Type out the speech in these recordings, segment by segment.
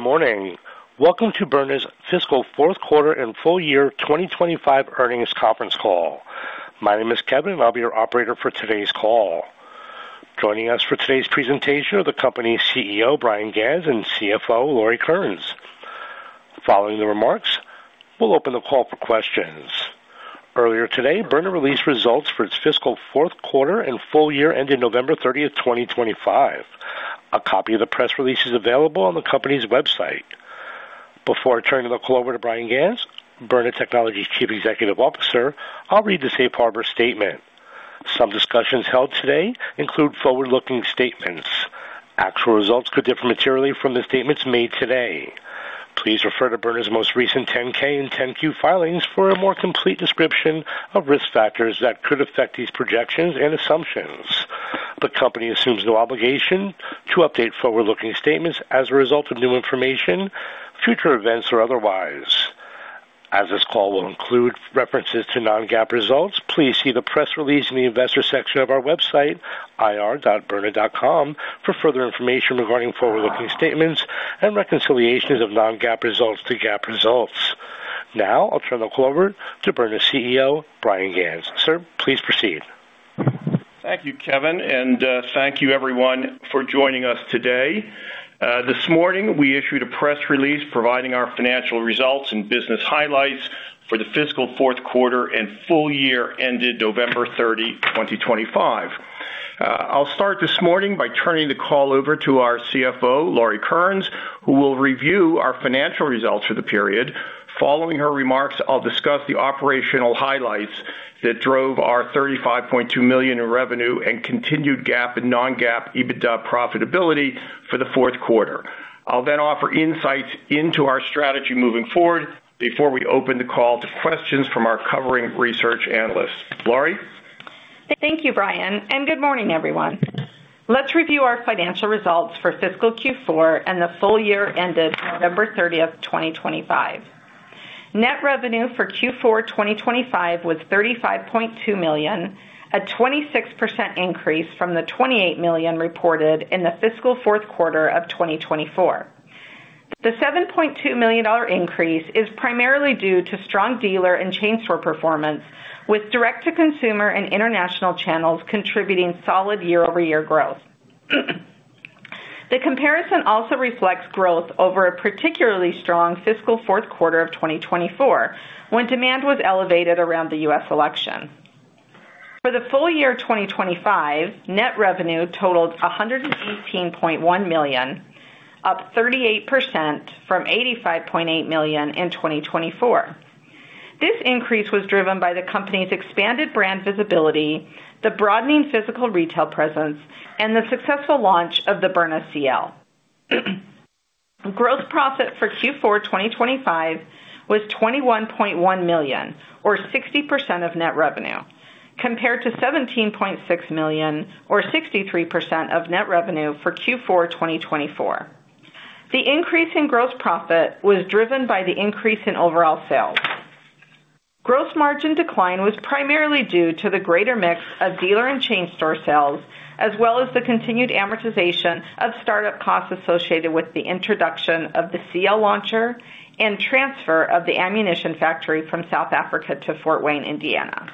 Good morning. Welcome to Byrna's fiscal Q4 and full year 2025 earnings conference call. My name is Kevin, and I'll be your operator for today's call. Joining us for today's presentation are the company's CEO, Bryan Ganz, and CFO, Lori Kearns. Following the remarks, we'll open the call for questions. Earlier today, Byrna released results for its fiscal Q4 and full year ending November 30th, 2025. A copy of the press release is available on the company's website. Before I turn the call over to Bryan Ganz, Byrna Technologies' Chief Executive Officer, I'll read the safe harbor statement. Some discussions held today include forward-looking statements. Actual results could differ materially from the statements made today. Please refer to Byrna's most recent 10-K and 10-Q filings for a more complete description of risk factors that could affect these projections and assumptions. The company assumes no obligation to update forward-looking statements as a result of new information, future events or otherwise. As this call will include references to non-GAAP results, please see the press release in the investor section of our website, ir.byrna.com, for further information regarding forward-looking statements and reconciliations of non-GAAP results to GAAP results. Now I'll turn the call over to Byrna's CEO, Bryan Ganz. Sir, please proceed. Thank you, Kevin, and thank you, everyone, for joining us today. This morning, we issued a press release providing our financial results and business highlights for the fiscal Q4 and full year ended November 30, 2025. I'll start this morning by turning the call over to our CFO, Lori Kearns, who will review our financial results for the period. Following her remarks, I'll discuss the operational highlights that drove our $35.2 million in revenue and continued GAAP and non-GAAP EBITDA profitability for the Q4. I'll then offer insights into our strategy moving forward before we open the call to questions from our covering research analysts. Lori? Thank you, Bryan, and good morning, everyone. Let's review our financial results for fiscal Q4 and the full year ended November 30, 2025. Net revenue for Q4 2025 was $35.2 million, a 26% increase from the $28 million reported in the fiscal Q4 of 2024. The $7.2 million increase is primarily due to strong dealer and chain store performance, with direct-to-consumer and international channels contributing solid year-over-year growth. The comparison also reflects growth over a particularly strong fiscal Q4 of 2024, when demand was elevated around the U.S. election. For the full year of 2025, net revenue totaled $118.1 million, up 38% from $85.8 million in 2024. This increase was driven by the company's expanded brand visibility, the broadening physical retail presence, and the successful launch of the Byrna CL. Gross profit for Q4 2025 was $21.1 million, or 60% of net revenue, compared to $17.6 million, or 63% of net revenue for Q4 2024. The increase in gross profit was driven by the increase in overall sales. Gross margin decline was primarily due to the greater mix of dealer and chain store sales, as well as the continued amortization of startup costs associated with the introduction of the CL launcher and transfer of the ammunition factory from South Africa to Fort Wayne, Indiana.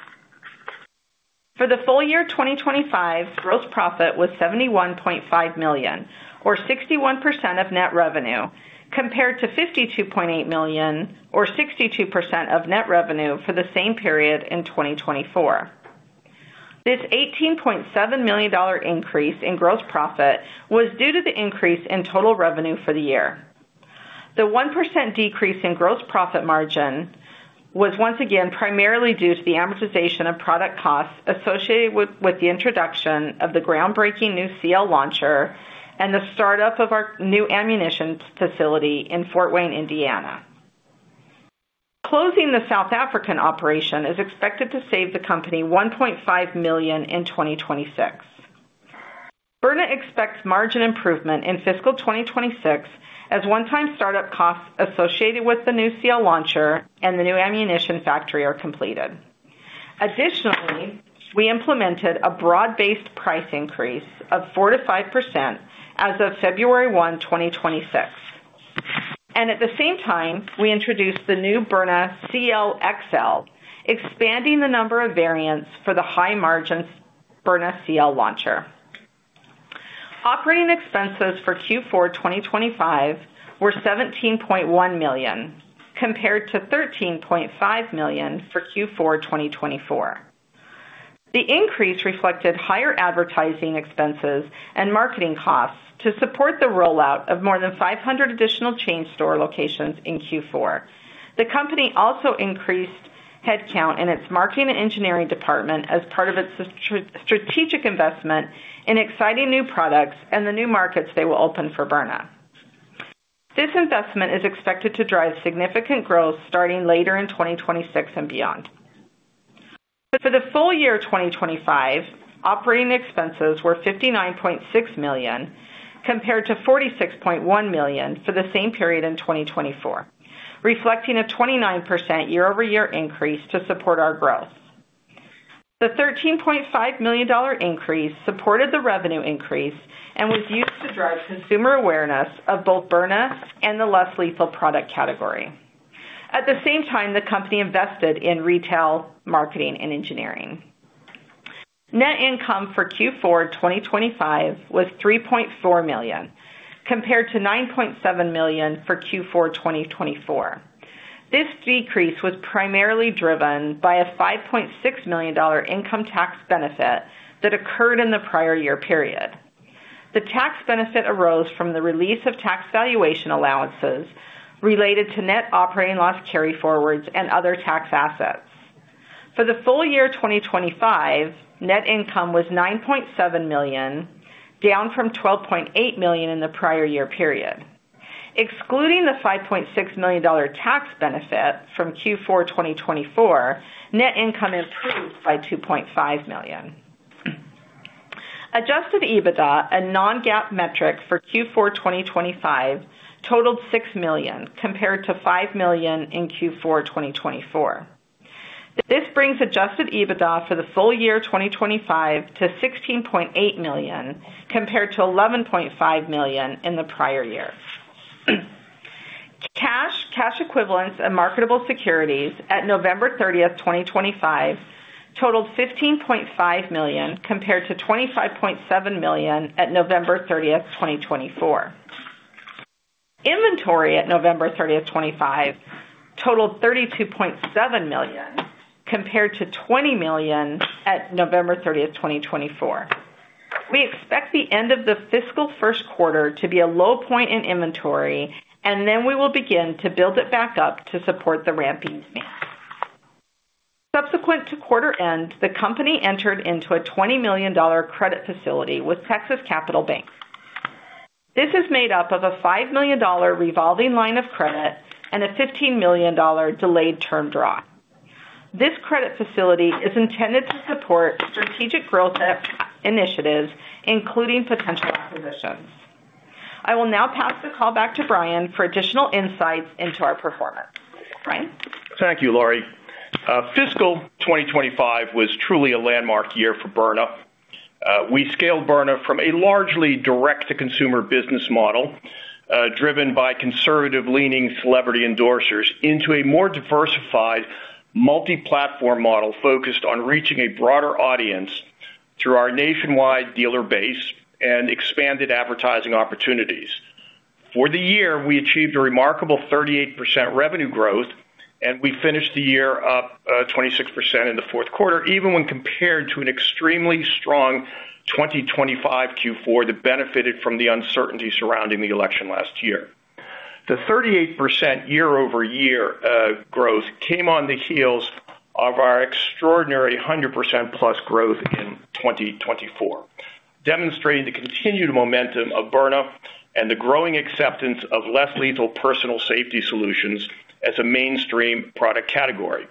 For the full year 2025, gross profit was $71.5 million, or 61% of net revenue, compared to $52.8 million or 62% of net revenue for the same period in 2024. This $18.7 million increase in gross profit was due to the increase in total revenue for the year. The 1% decrease in gross profit margin was once again primarily due to the amortization of product costs associated with the introduction of the groundbreaking new CL launcher and the startup of our new ammunition facility in Fort Wayne, Indiana. Closing the South African operation is expected to save the company $1.5 million in 2026. Byrna expects margin improvement in fiscal 2026 as one-time startup costs associated with the new CL launcher and the new ammunition factory are completed. Additionally, we implemented a broad-based price increase of 4%-5% as of February 1, 2026. At the same time, we introduced the new Byrna CL XL, expanding the number of variants for the high-margin Byrna CL launcher. Operating expenses for Q4 2025 were $17.1 million, compared to $13.5 million for Q4 2024. The increase reflected higher advertising expenses and marketing costs to support the rollout of more than 500 additional chain store locations in Q4. The company also increased headcount in its marketing and engineering department as part of its strategic investment in exciting new products and the new markets they will open for Byrna. This investment is expected to drive significant growth starting later in 2026 and beyond. But for the full year 2025, operating expenses were $59.6 million, compared to $46.1 million for the same period in 2024, reflecting a 29% year-over-year increase to support our growth. The $13.5 million increase supported the revenue increase and was used to drive consumer awareness of both Byrna and the less lethal product category. At the same time, the company invested in retail, marketing, and engineering. Net income for Q4 2025 was $3.4 million, compared to $9.7 million for Q4 2024. This decrease was primarily driven by a $5.6 million income tax benefit that occurred in the prior year period. The tax benefit arose from the release of tax valuation allowances related to net operating loss, carryforwards, and other tax assets. For the full year 2025, net income was $9.7 million, down from $12.8 million in the prior year period. Excluding the $5.6 million tax benefit from Q4 2024, net income improved by $2.5 million. Adjusted EBITDA, a non-GAAP metric for Q4 2025, totaled $6 million, compared to $5 million in Q4 2024. This brings adjusted EBITDA for the full year 2025 to $16.8 million, compared to $11.5 million in the prior year. Cash, cash equivalents, and marketable securities at November 30th, 2025, totaled $15.5 million, compared to $25.7 million at November 30th, 2024. Inventory at November 30th, 2025, totaled $32.7 million, compared to $20 million at November 30th, 2024. We expect the end of the fiscal Q1 to be a low point in inventory, and then we will begin to build it back up to support the ramp-up. Subsequent to quarter end, the company entered into a $20 million credit facility with Texas Capital Bank. This is made up of a $5 million revolving line of credit and a $15 million delayed term draw. This credit facility is intended to support strategic growth initiatives, including potential acquisitions. I will now pass the call back to Bryan for additional insights into our performance. Bryan? Thank you, Lori. Fiscal 2025 was truly a landmark year for Byrna. We scaled Byrna from a largely direct-to-consumer business model, driven by conservative-leaning celebrity endorsers, into a more diversified multi-platform model, focused on reaching a broader audience through our nationwide dealer base and expanded advertising opportunities. For the year, we achieved a remarkable 38% revenue growth, and we finished the year up, 26% in the Q4, even when compared to an extremely strong 2025 Q4 that benefited from the uncertainty surrounding the election last year. The 38% year-over-year growth came on the heels of our extraordinary 100%+ growth in 2024, demonstrating the continued momentum of Byrna and the growing acceptance of less lethal personal safety solutions as a mainstream product category.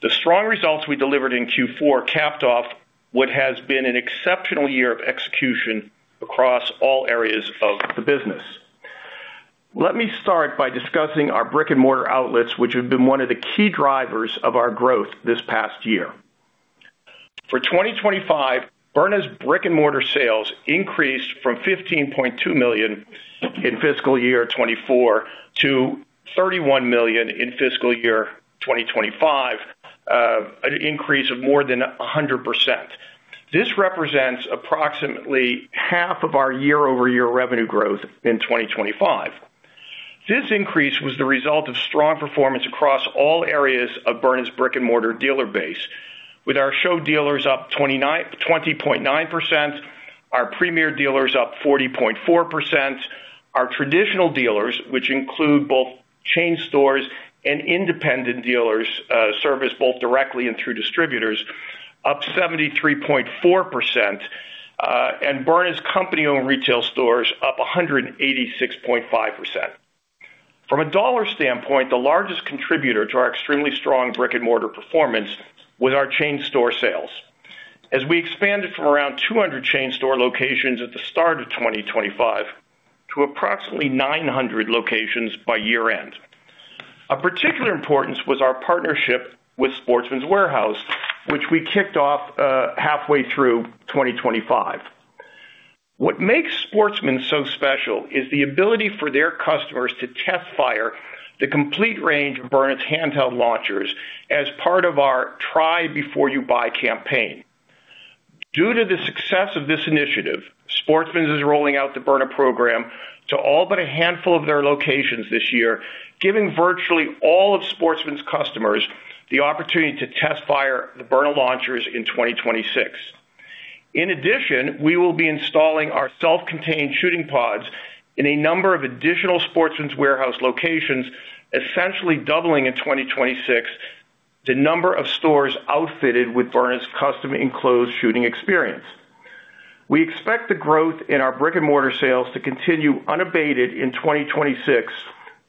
The strong results we delivered in Q4 capped off what has been an exceptional year of execution across all areas of the business. Let me start by discussing our brick-and-mortar outlets, which have been one of the key drivers of our growth this past year. For 2025, Byrna's brick-and-mortar sales increased from $15.2 million in fiscal year 2024 to $31 million in fiscal year 2025, an increase of more than 100%. This represents approximately half of our year-over-year revenue growth in 2025. This increase was the result of strong performance across all areas of Byrna's brick-and-mortar dealer base, with our Show Dealers up 20.9%, our Premier Dealers up 40.4%, our traditional dealers, which include both chain stores and independent dealers, serviced both directly and through distributors, up 73.4%, and Byrna's company-owned retail stores up 186.5%. From a dollar standpoint, the largest contributor to our extremely strong brick-and-mortar performance was our chain store sales. As we expanded from around 200 chain store locations at the start of 2025 to approximately 900 locations by year-end. Of particular importance was our partnership with Sportsman's Warehouse, which we kicked off halfway through 2025. What makes Sportsman's so special is the ability for their customers to test-fire the complete range of Byrna's handheld launchers as part of our Try Before You Buy campaign. Due to the success of this initiative, Sportsman's is rolling out the Byrna program to all but a handful of their locations this year, giving virtually all of Sportsman's customers the opportunity to test-fire the Byrna launchers in 2026. In addition, we will be installing our self-contained shooting pods in a number of additional Sportsman's Warehouse locations, essentially doubling in 2026, the number of stores outfitted with Byrna's custom enclosed shooting experience. We expect the growth in our brick-and-mortar sales to continue unabated in 2026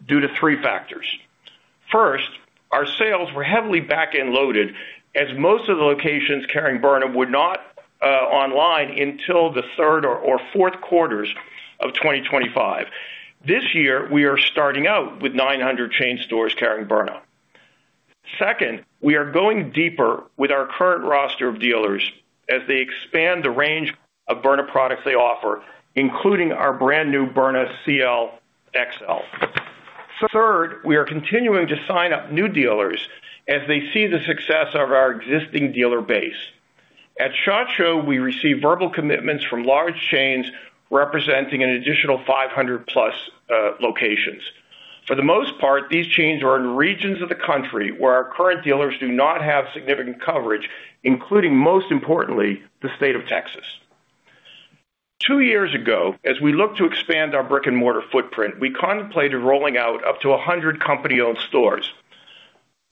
due to three factors. First, our sales were heavily back-end loaded, as most of the locations carrying Byrna would not come online until the third or Q4s of 2025. This year, we are starting out with 900 chain stores carrying Byrna. Second, we are going deeper with our current roster of dealers as they expand the range of Byrna products they offer, including our brand new Byrna CL XL. Third, we are continuing to sign up new dealers as they see the success of our existing dealer base. At SHOT Show, we received verbal commitments from large chains representing an additional 500+ locations. For the most part, these chains are in regions of the country where our current dealers do not have significant coverage, including, most importantly, the state of Texas. Two years ago, as we looked to expand our brick-and-mortar footprint, we contemplated rolling out up to 100 company-owned stores.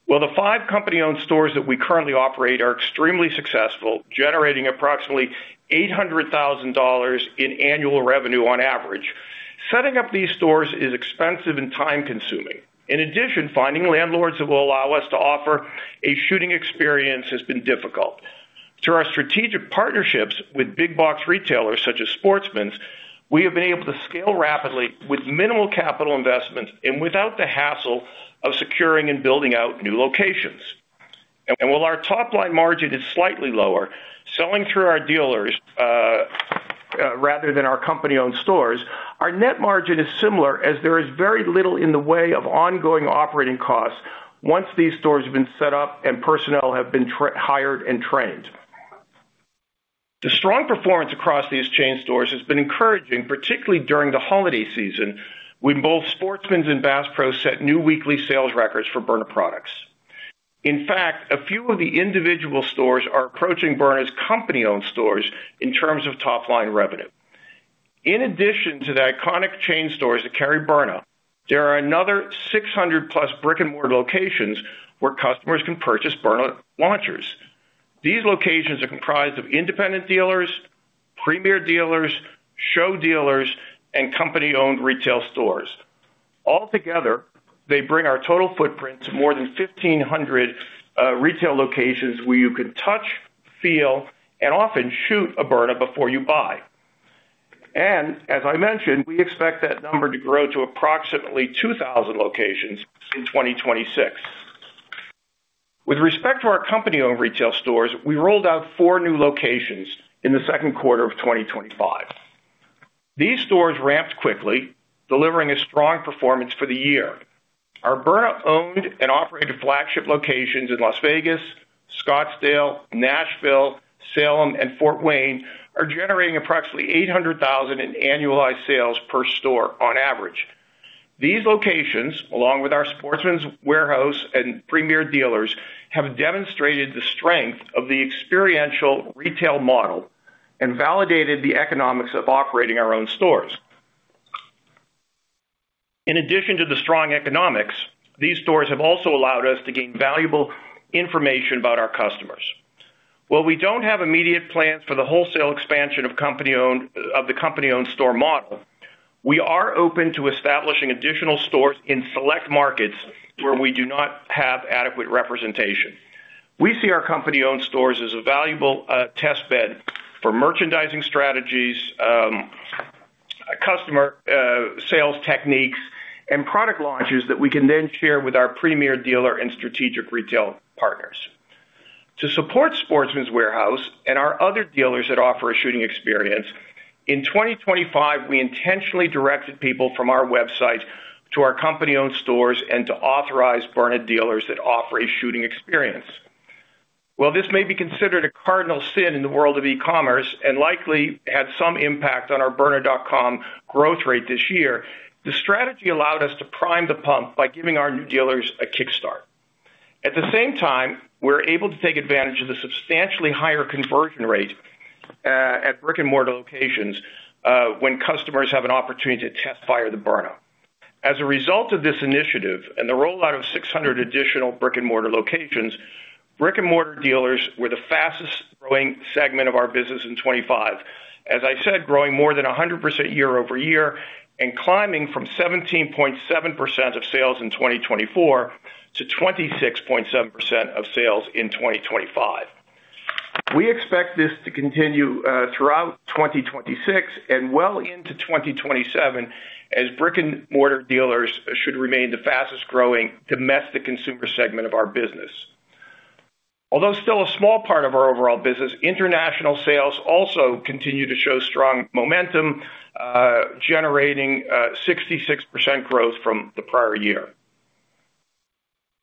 Well, the five company-owned stores that we currently operate are extremely successful, generating approximately $800,000 in annual revenue on average. Setting up these stores is expensive and time-consuming. In addition, finding landlords that will allow us to offer a shooting experience has been difficult. Through our strategic partnerships with big box retailers, such as Sportsman's, we have been able to scale rapidly with minimal capital investment and without the hassle of securing and building out new locations. While our top-line margin is slightly lower, selling through our dealers rather than our company-owned stores, our net margin is similar as there is very little in the way of ongoing operating costs once these stores have been set up and personnel have been hired and trained. The strong performance across these chain stores has been encouraging, particularly during the holiday season, when both Sportsman's and Bass Pro set new weekly sales records for Byrna products. In fact, a few of the individual stores are approaching Byrna's company-owned stores in terms of top-line revenue. In addition to the iconic chain stores that carry Byrna, there are another 600+ brick-and-mortar locations where customers can purchase Byrna launchers. These locations are comprised of independent dealers, Premier Dealers, Show Dealers, and company-owned retail stores. Altogether, they bring our total footprint to more than 1,500 retail locations where you can touch, feel, and often shoot a Byrna before you buy. And as I mentioned, we expect that number to grow to approximately 2,000 locations in 2026. With respect to our company-owned retail stores, we rolled out four new locations in the Q2 of 2025. These stores ramped quickly, delivering a strong performance for the year. Our Byrna-owned and operated flagship locations in Las Vegas, Scottsdale, Nashville, Salem, and Fort Wayne are generating approximately $800,000 in annualized sales per store on average. These locations, along with our Sportsman's Warehouse and Premier Dealers, have demonstrated the strength of the experiential retail model and validated the economics of operating our own stores. In addition to the strong economics, these stores have also allowed us to gain valuable information about our customers. While we don't have immediate plans for the wholesale expansion of company-owned store model, we are open to establishing additional stores in select markets where we do not have adequate representation. We see our company-owned stores as a valuable test bed for merchandising strategies, customer sales techniques, and product launches that we can then share with our premier dealer and strategic retail partners. To support Sportsman's Warehouse and our other dealers that offer a shooting experience, in 2025, we intentionally directed people from our website to our company-owned stores and to authorized Byrna dealers that offer a shooting experience. While this may be considered a cardinal sin in the world of e-commerce and likely had some impact on our Byrna.com growth rate this year, the strategy allowed us to prime the pump by giving our new dealers a kickstart. At the same time, we're able to take advantage of the substantially higher conversion rate at brick-and-mortar locations when customers have an opportunity to test-fire the Byrna. As a result of this initiative and the rollout of 600 additional brick-and-mortar locations, brick-and-mortar dealers were the fastest growing segment of our business in 2025. As I said, growing more than 100% year-over-year and climbing from 17.7% of sales in 2024 to 26.7% of sales in 2025. We expect this to continue throughout 2026 and well into 2027, as brick-and-mortar dealers should remain the fastest-growing domestic consumer segment of our business. Although still a small part of our overall business, international sales also continue to show strong momentum, generating 66% growth from the prior year.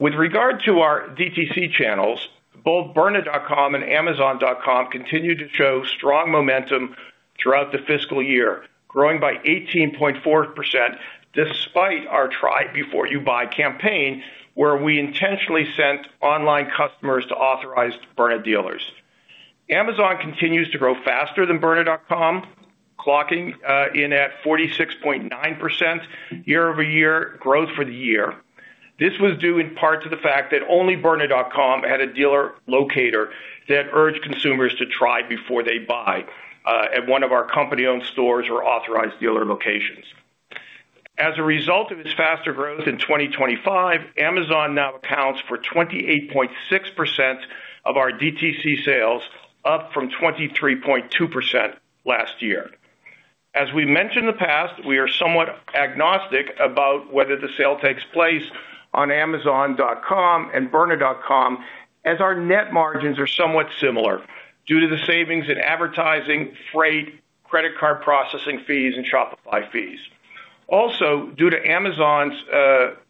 With regard to our DTC channels, both Byrna.com and Amazon.com continue to show strong momentum throughout the fiscal year, growing by 18.4%, despite our try before you buy campaign, where we intentionally sent online customers to authorized Byrna dealers. Amazon continues to grow faster than Byrna.com, clocking in at 46.9% year-over-year growth for the year. This was due in part to the fact that only Byrna.com had a dealer locator that urged consumers to try before they buy at one of our company-owned stores or authorized dealer locations. As a result of its faster growth in 2025, Amazon now accounts for 28.6% of our DTC sales, up from 23.2% last year. As we mentioned in the past, we are somewhat agnostic about whether the sale takes place on Amazon.com and Byrna.com, as our net margins are somewhat similar due to the savings in advertising, freight, credit card processing fees, and Shopify fees. Also, due to Amazon's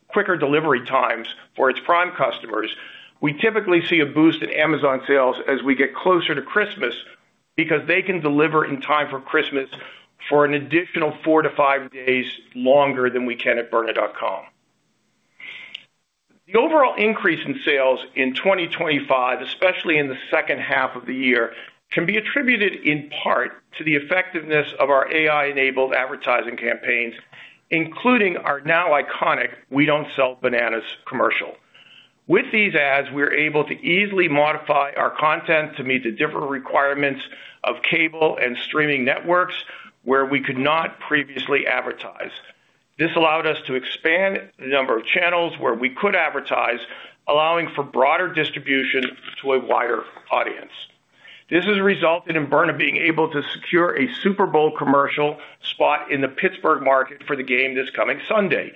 quicker delivery times for its Prime customers, we typically see a boost in Amazon sales as we get closer to Christmas, because they can deliver in time for Christmas for an additional 4-5 days longer than we can at Byrna.com. The overall increase in sales in 2025, especially in the second half of the year, can be attributed in part to the effectiveness of our AI-enabled advertising campaigns, including our now iconic We Don't Sell Bananas commercial. With these ads, we're able to easily modify our content to meet the different requirements of cable and streaming networks, where we could not previously advertise. This allowed us to expand the number of channels where we could advertise, allowing for broader distribution to a wider audience. This has resulted in Byrna being able to secure a Super Bowl commercial spot in the Pittsburgh market for the game this coming Sunday.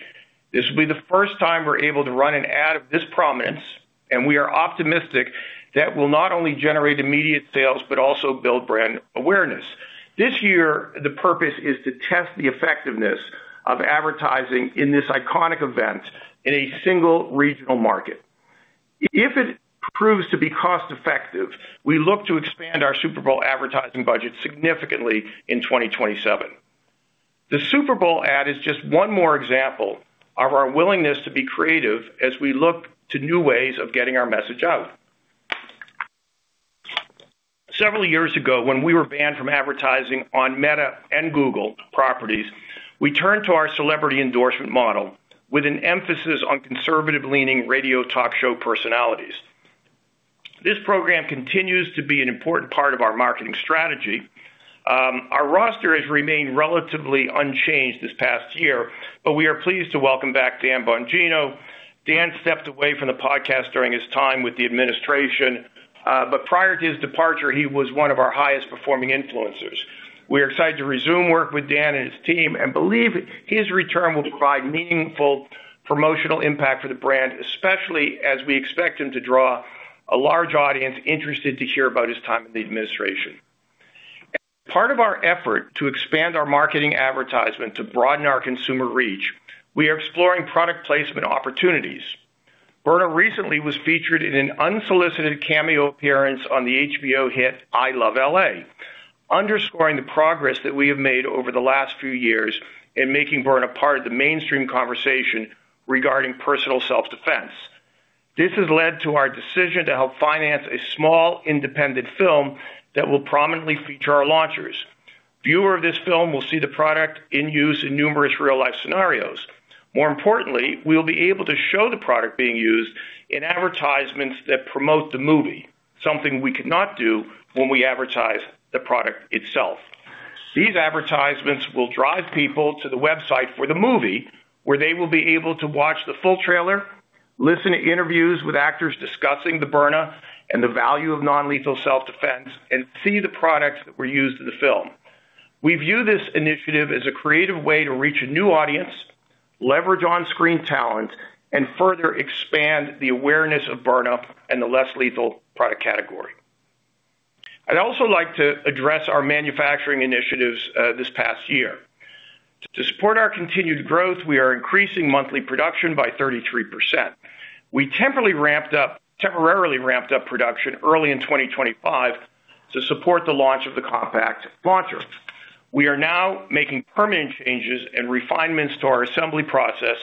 This will be the first time we're able to run an ad of this prominence, and we are optimistic that will not only generate immediate sales, but also build brand awareness. This year, the purpose is to test the effectiveness of advertising in this iconic event in a single regional market. If it proves to be cost-effective, we look to expand our Super Bowl advertising budget significantly in 2027. The Super Bowl ad is just one more example of our willingness to be creative as we look to new ways of getting our message out. Several years ago, when we were banned from advertising on Meta and Google properties, we turned to our celebrity endorsement model with an emphasis on conservative-leaning radio talk show personalities. This program continues to be an important part of our marketing strategy. Our roster has remained relatively unchanged this past year, but we are pleased to welcome back Dan Bongino. Dan stepped away from the podcast during his time with the administration, but prior to his departure, he was one of our highest-performing influencers. We are excited to resume work with Dan and his team and believe his return will provide meaningful promotional impact for the brand, especially as we expect him to draw a large audience interested to hear about his time in the administration. As part of our effort to expand our marketing advertisement to broaden our consumer reach, we are exploring product placement opportunities. Byrna recently was featured in an unsolicited cameo appearance on the HBO hit, I Love LA, underscoring the progress that we have made over the last few years in making Byrna part of the mainstream conversation regarding personal self-defense. This has led to our decision to help finance a small, independent film that will prominently feature our launchers. Viewers of this film will see the product in use in numerous real-life scenarios. More importantly, we'll be able to show the product being used in advertisements that promote the movie, something we could not do when we advertise the product itself. These advertisements will drive people to the website for the movie, where they will be able to watch the full trailer, listen to interviews with actors discussing the Byrna and the value of non-lethal self-defense, and see the products that were used in the film. We view this initiative as a creative way to reach a new audience, leverage on-screen talent, and further expand the awareness of Byrna and the less lethal product category. I'd also like to address our manufacturing initiatives this past year. To support our continued growth, we are increasing monthly production by 33%. We temporarily ramped up production early in 2025 to support the launch of the compact launcher. We are now making permanent changes and refinements to our assembly process,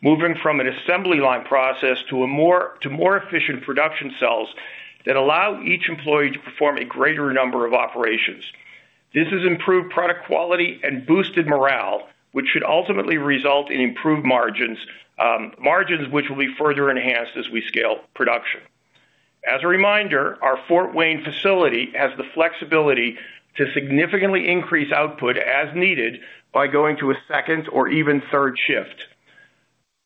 moving from an assembly line process to more efficient production cells that allow each employee to perform a greater number of operations. This has improved product quality and boosted morale, which should ultimately result in improved margins, margins which will be further enhanced as we scale production. As a reminder, our Fort Wayne facility has the flexibility to significantly increase output as needed by going to a second or even third shift.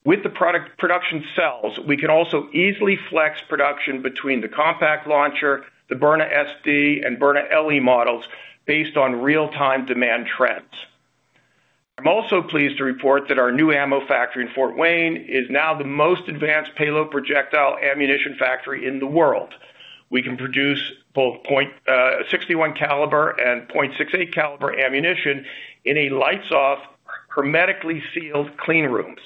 With the product production cells, we can also easily flex production between the compact launcher, the Byrna SD, and Byrna LE models based on real-time demand trends. I'm also pleased to report that our new ammo factory in Fort Wayne is now the most advanced payload projectile ammunition factory in the world. We can produce both .61 caliber and .68 caliber ammunition in lights-off, hermetically sealed clean rooms.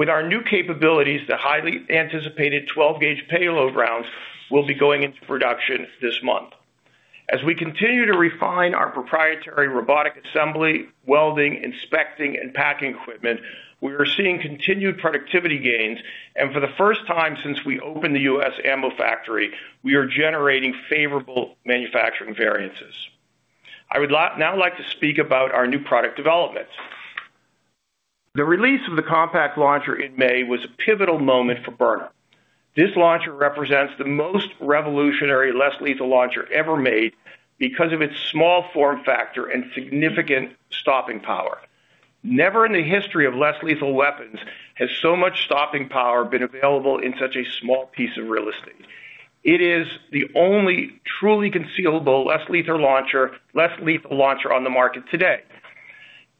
With our new capabilities, the highly anticipated 12-gauge payload rounds will be going into production this month. As we continue to refine our proprietary robotic assembly, welding, inspecting, and packing equipment, we are seeing continued productivity gains, and for the first time since we opened the U.S. Ammo Factory, we are generating favorable manufacturing variances. I would now like to speak about our new product developments. The release of the compact launcher in May was a pivotal moment for Byrna. This launcher represents the most revolutionary less-lethal launcher ever made because of its small form factor and significant stopping power. Never in the history of less-lethal weapons has so much stopping power been available in such a small piece of real estate. It is the only truly concealable less-lethal launcher on the market today.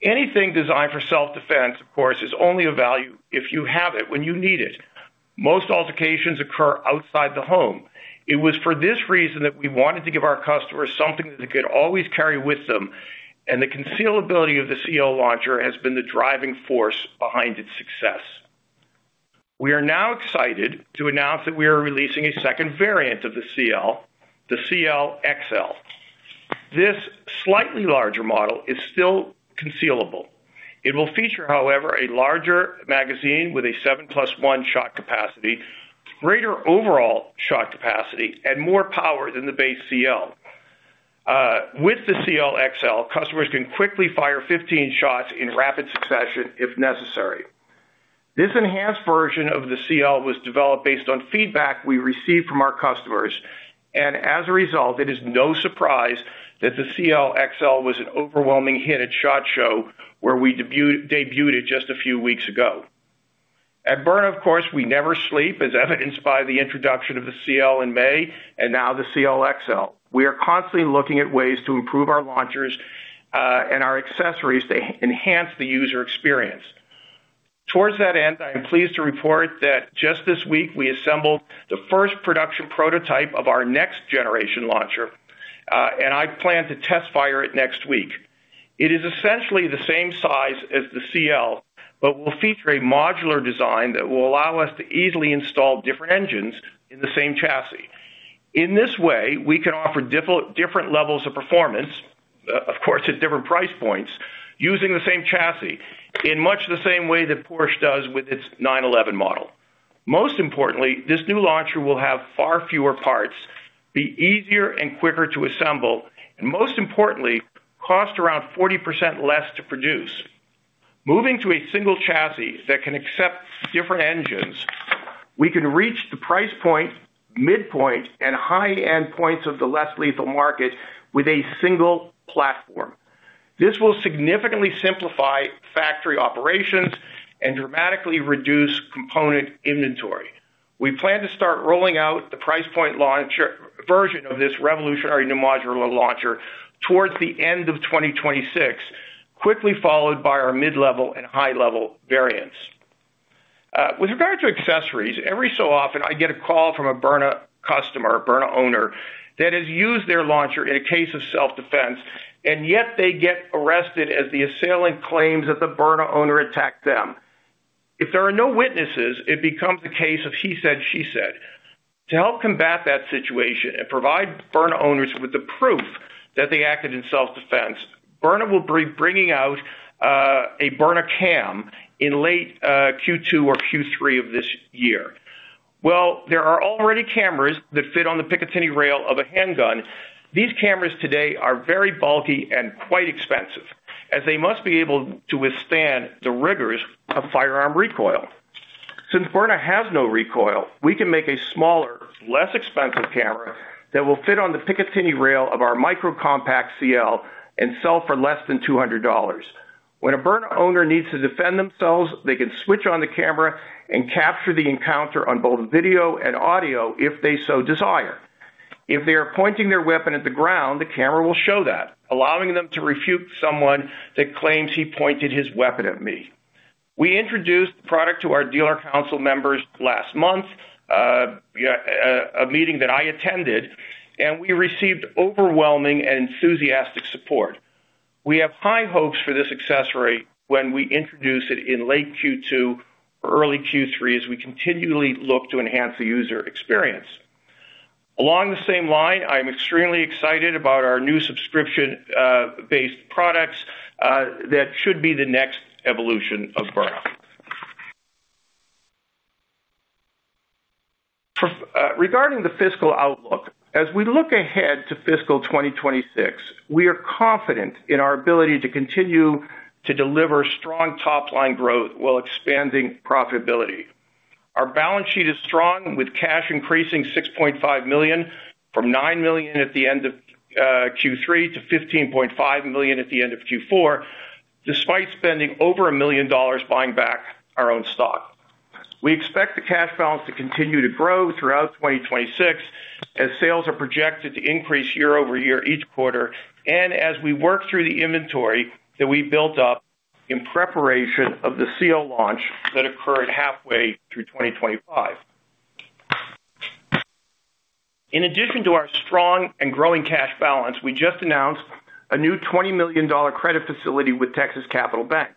Anything designed for self-defense, of course, is only of value if you have it when you need it. Most altercations occur outside the home. It was for this reason that we wanted to give our customers something that they could always carry with them, and the concealability of the CL launcher has been the driving force behind its success. We are now excited to announce that we are releasing a second variant of the CL, the CL XL. This slightly larger model is still concealable. It will feature, however, a larger magazine with a 7 + 1 shot capacity, greater overall shot capacity, and more power than the base CL. With the CL XL, customers can quickly fire 15 shots in rapid succession, if necessary. This enhanced version of the CL was developed based on feedback we received from our customers, and as a result, it is no surprise that the CL XL was an overwhelming hit at SHOT Show, where we debuted it just a few weeks ago. At Byrna, of course, we never sleep, as evidenced by the introduction of the CL in May and now the CL XL. We are constantly looking at ways to improve our launchers and our accessories to enhance the user experience. Toward that end, I am pleased to report that just this week, we assembled the first production prototype of our next generation launcher, and I plan to test-fire it next week. It is essentially the same size as the CL, but will feature a modular design that will allow us to easily install different engines in the same chassis. In this way, we can offer different levels of performance, of course, at different price points, using the same chassis, in much the same way that Porsche does with its 911 model. Most importantly, this new launcher will have far fewer parts, be easier and quicker to assemble, and most importantly, cost around 40% less to produce. Moving to a single chassis that can accept different engines, we can reach the price point, midpoint, and high-end points of the less lethal market with a single platform. This will significantly simplify factory operations and dramatically reduce component inventory. We plan to start rolling out the price point launcher version of this revolutionary new modular launcher towards the end of 2026, quickly followed by our mid-level and high-level variants. With regard to accessories, every so often I get a call from a Byrna customer, a Byrna owner, that has used their launcher in a case of self-defense, and yet they get arrested as the assailant claims that the Byrna owner attacked them. If there are no witnesses, it becomes a case of he said, she said. To help combat that situation and provide Byrna owners with the proof that they acted in self-defense, Byrna will be bringing out a Byrna Cam in late Q2 or Q3 of this year. Well, there are already cameras that fit on the Picatinny rail of a handgun. These cameras today are very bulky and quite expensive, as they must be able to withstand the rigors of firearm recoil. Since Byrna has no recoil, we can make a smaller, less expensive camera that will fit on the Picatinny rail of our micro compact CL and sell for less than $200. When a Byrna owner needs to defend themselves, they can switch on the camera and capture the encounter on both video and audio, if they so desire. If they are pointing their weapon at the ground, the camera will show that, allowing them to refute someone that claims he pointed his weapon at me. We introduced the product to our dealer council members last month, yeah, a meeting that I attended, and we received overwhelming and enthusiastic support. We have high hopes for this accessory when we introduce it in late Q2 or early Q3, as we continually look to enhance the user experience. Along the same line, I'm extremely excited about our new subscription based products, that should be the next evolution of Byrna. For, regarding the fiscal outlook, as we look ahead to fiscal 2026, we are confident in our ability to continue to deliver strong top-line growth while expanding profitability. Our balance sheet is strong, with cash increasing $6.5 million, from $9 million at the end of Q3 to $15.5 million at the end of Q4, despite spending over $1 million buying back our own stock. We expect the cash balance to continue to grow throughout 2026, as sales are projected to increase year-over-year, each quarter, and as we work through the inventory that we built up in preparation of the CL launch that occurred halfway through 2025. In addition to our strong and growing cash balance, we just announced a new $20 million credit facility with Texas Capital Bank.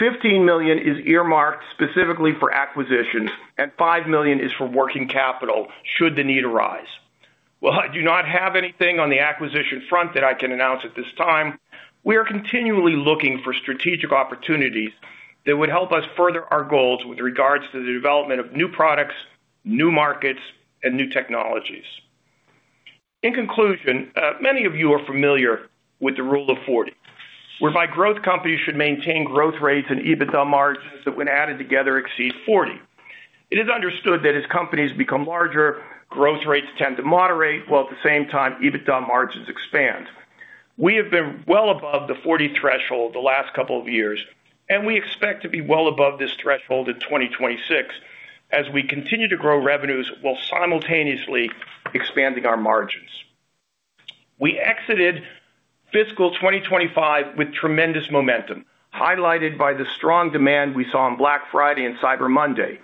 $15 million is earmarked specifically for acquisitions, and $5 million is for working capital, should the need arise. While I do not have anything on the acquisition front that I can announce at this time, we are continually looking for strategic opportunities that would help us further our goals with regards to the development of new products, new markets, and new technologies.... In conclusion, many of you are familiar with the Rule of 40, whereby growth companies should maintain growth rates and EBITDA margins that, when added together, exceed 40. It is understood that as companies become larger, growth rates tend to moderate, while at the same time, EBITDA margins expand. We have been well above the 40 threshold the last couple of years, and we expect to be well above this threshold in 2026 as we continue to grow revenues while simultaneously expanding our margins. We exited fiscal 2025 with tremendous momentum, highlighted by the strong demand we saw on Black Friday and Cyber Monday.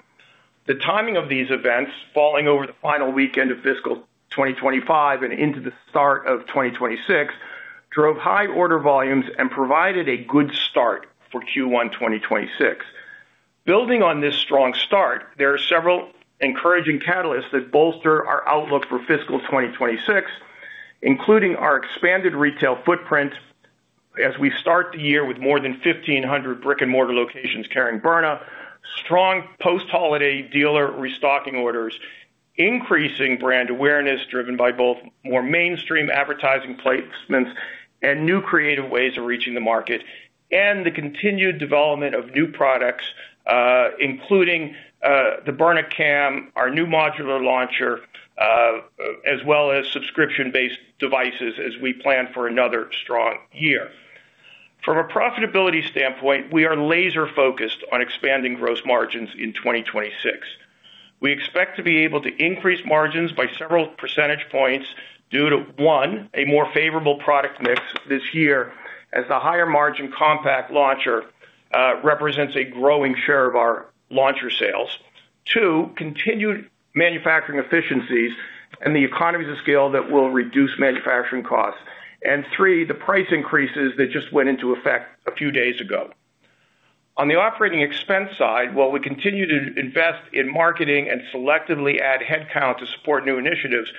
The timing of these events, falling over the final weekend of fiscal 2025 and into the start of 2026, drove high order volumes and provided a good start for Q1 2026. Building on this strong start, there are several encouraging catalysts that bolster our outlook for fiscal 2026, including our expanded retail footprint as we start the year with more than 1,500 brick-and-mortar locations carrying Byrna, strong post-holiday dealer restocking orders, increasing brand awareness, driven by both more mainstream advertising placements and new creative ways of reaching the market, and the continued development of new products, including the Byrna Cam, our new modular launcher, as well as subscription-based devices as we plan for another strong year. From a profitability standpoint, we are laser-focused on expanding gross margins in 2026. We expect to be able to increase margins by several percentage points due to, one, a more favorable product mix this year, as the higher margin compact launcher represents a growing share of our launcher sales. Two, continued manufacturing efficiencies and the economies of scale that will reduce manufacturing costs. And three, the price increases that just went into effect a few days ago. On the operating expense side, while we continue to invest in marketing and selectively add headcount to support new initiatives,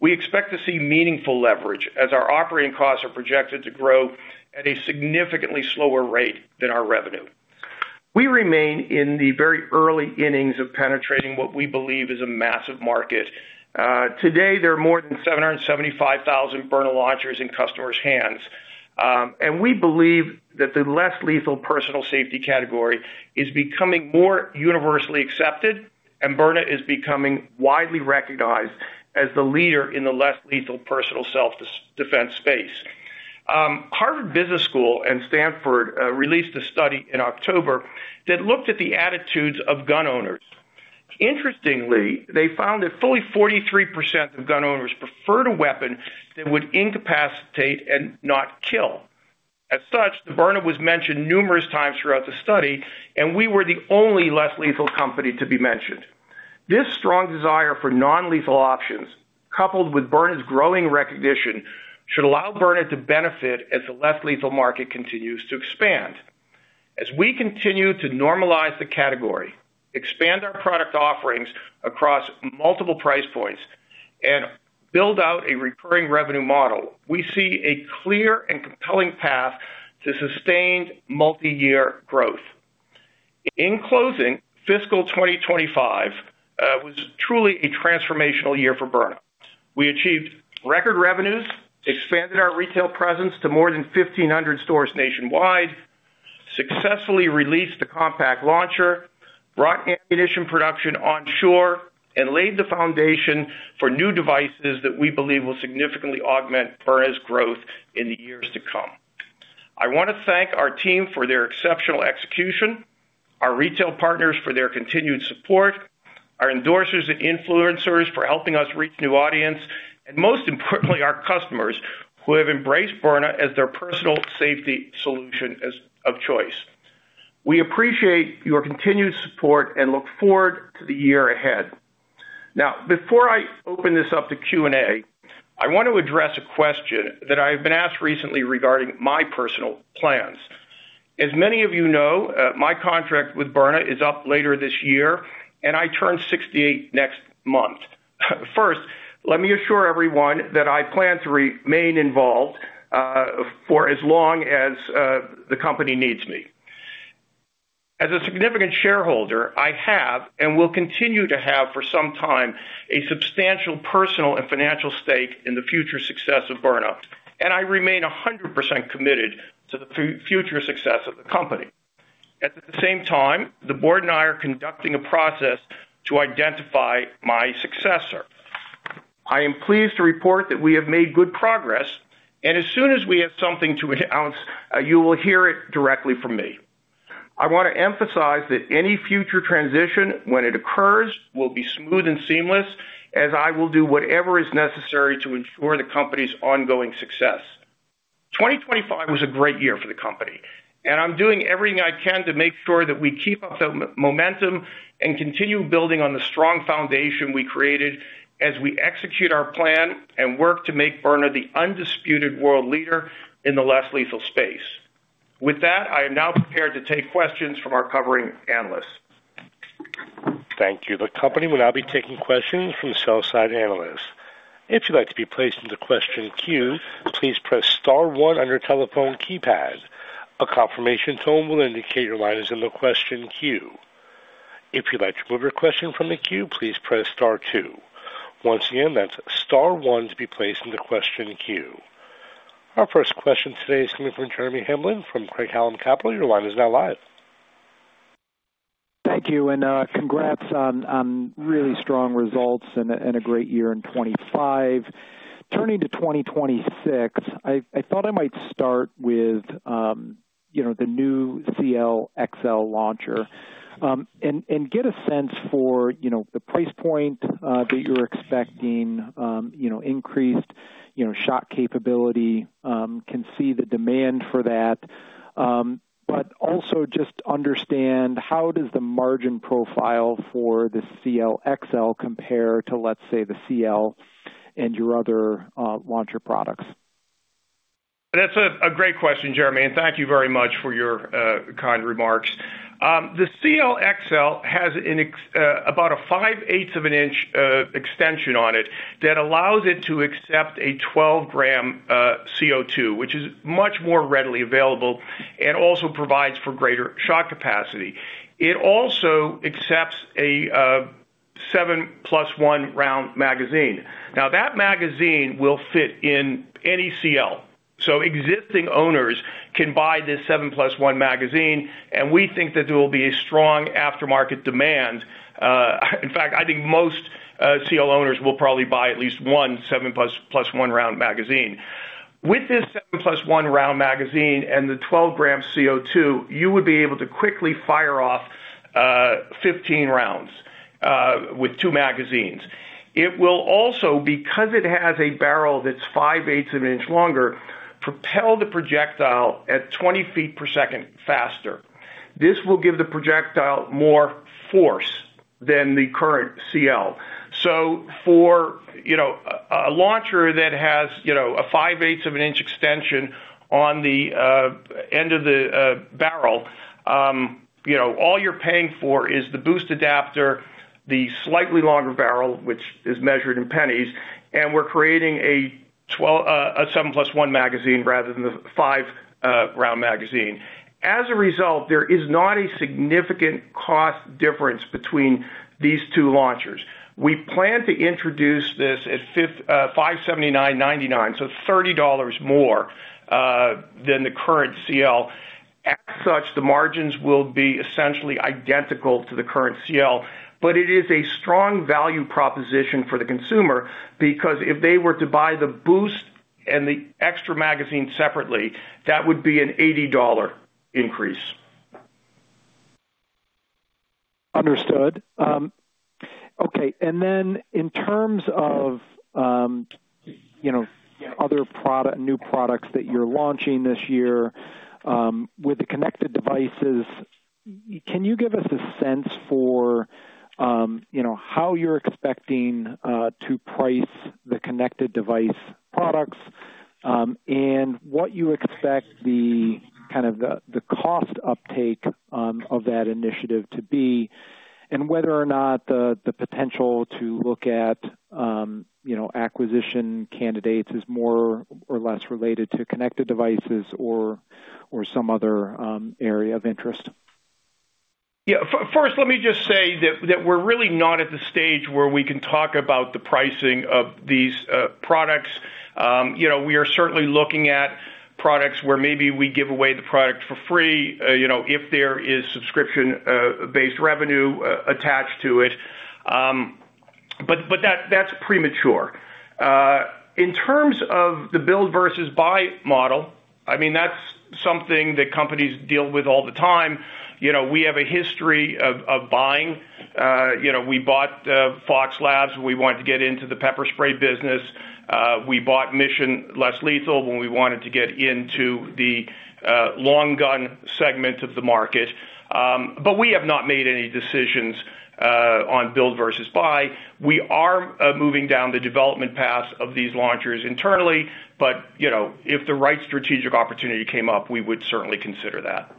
we expect to see meaningful leverage as our operating costs are projected to grow at a significantly slower rate than our revenue. We remain in the very early innings of penetrating what we believe is a massive market. Today, there are more than 775,000 Byrna launchers in customers' hands. We believe that the less lethal personal safety category is becoming more universally accepted, and Byrna is becoming widely recognized as the leader in the less lethal personal self-defense space. Harvard Business School and Stanford released a study in October that looked at the attitudes of gun owners. Interestingly, they found that fully 43% of gun owners preferred a weapon that would incapacitate and not kill. As such, the Byrna was mentioned numerous times throughout the study, and we were the only less lethal company to be mentioned. This strong desire for non-lethal options, coupled with Byrna's growing recognition, should allow Byrna to benefit as the less lethal market continues to expand. As we continue to normalize the category, expand our product offerings across multiple price points, and build out a recurring revenue model, we see a clear and compelling path to sustained multiyear growth. In closing, fiscal 2025 was truly a transformational year for Byrna. We achieved record revenues, expanded our retail presence to more than 1,500 stores nationwide, successfully released the compact launcher, brought ammunition production onshore, and laid the foundation for new devices that we believe will significantly augment Byrna's growth in the years to come. I want to thank our team for their exceptional execution, our retail partners for their continued support, our endorsers and influencers for helping us reach new audience, and most importantly, our customers, who have embraced Byrna as their personal safety solution of choice. We appreciate your continued support and look forward to the year ahead. Now, before I open this up to Q&A, I want to address a question that I've been asked recently regarding my personal plans. As many of you know, my contract with Byrna is up later this year, and I turn 68 next month. First, let me assure everyone that I plan to remain involved, for as long as the company needs me. As a significant shareholder, I have and will continue to have for some time, a substantial personal and financial stake in the future success of Byrna, and I remain 100% committed to the future success of the company. At the same time, the board and I are conducting a process to identify my successor. I am pleased to report that we have made good progress, and as soon as we have something to announce, you will hear it directly from me. I want to emphasize that any future transition, when it occurs, will be smooth and seamless, as I will do whatever is necessary to ensure the company's ongoing success. 2025 was a great year for the company, and I'm doing everything I can to make sure that we keep up the momentum and continue building on the strong foundation we created as we execute our plan and work to make Byrna the undisputed world leader in the less lethal space. With that, I am now prepared to take questions from our covering analysts. Thank you. The company will now be taking questions from the sell-side analysts. If you'd like to be placed in the question queue, please press star one on your telephone keypad. A confirmation tone will indicate your line is in the question queue... If you'd like to move your question from the queue, please press star two. Once again, that's star one to be placed in the question queue. Our first question today is coming from Jeremy Hamblin, from Craig-Hallum Capital. Your line is now live. Thank you, and congrats on really strong results and a great year in 25. Turning to 2026, I thought I might start with, you know, the new CL XL launcher. And get a sense for, you know, the price point that you're expecting, you know, increased shot capability, can see the demand for that. But also just understand how does the margin profile for the CL XL compare to, let's say, the CL and your other launcher products? That's a great question, Jeremy, and thank you very much for your kind remarks. The CL XL has about a 5/8-inch extension on it that allows it to accept a 12-gram CO2, which is much more readily available and also provides for greater shot capacity. It also accepts a 7+1 round magazine. Now, that magazine will fit in any CL, so existing owners can buy this 7+1 magazine, and we think that there will be a strong aftermarket demand. In fact, I think most CL owners will probably buy at least one 7+1 round magazine. With this 7+1 round magazine and the 12-gram CO2, you would be able to quickly fire off 15 rounds with 2 magazines. It will also, because it has a barrel that's five-eighths of an inch longer, propel the projectile at 20 feet per second faster. This will give the projectile more force than the current CL. So for, you know, a, a launcher that has, you know, a five-eighths of an inch extension on the end of the barrel, you know, all you're paying for is the boost adapter, the slightly longer barrel, which is measured in pennies, and we're creating a 7+1 magazine rather than the 5-round magazine. As a result, there is not a significant cost difference between these two launchers. We plan to introduce this at $579.99, so $30 more than the current CL. As such, the margins will be essentially identical to the current CL, but it is a strong value proposition for the consumer because if they were to buy the boost and the extra magazine separately, that would be an $80 increase. Understood. Okay, and then in terms of, you know, other new products that you're launching this year, with the connected devices, can you give us a sense for, you know, how you're expecting to price the connected device products, and what you expect the kind of the cost uptake of that initiative to be, and whether or not the potential to look at, you know, acquisition candidates is more or less related to connected devices or some other area of interest? Yeah. First, let me just say that, that we're really not at the stage where we can talk about the pricing of these products. You know, we are certainly looking at products where maybe we give away the product for free, you know, if there is subscription based revenue attached to it. But, but that, that's premature. In terms of the build versus buy model, I mean, that's something that companies deal with all the time. You know, we have a history of, of buying. You know, we bought Fox Labs when we wanted to get into the pepper spray business. We bought Mission Less-Lethal when we wanted to get into the long gun segment of the market. But we have not made any decisions on build versus buy. We are moving down the development path of these launchers internally, but, you know, if the right strategic opportunity came up, we would certainly consider that.